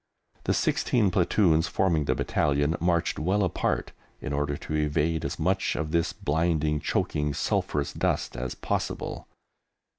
The sixteen platoons forming the battalion marched well apart in order to evade as much of this blinding, choking, sulphurous dust as possible.